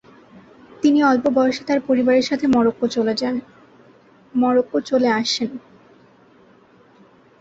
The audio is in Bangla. তিনি অল্প বয়সে তার পরিবারের সাথে মরক্কো চলে আসেন।